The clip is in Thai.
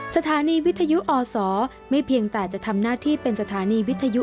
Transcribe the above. สถานีวิทยุอศไม่เพียงแต่จะทำหน้าที่เป็นสถานีวิทยุ